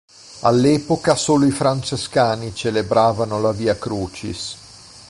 All'epoca solo i francescani celebravano la "via Crucis".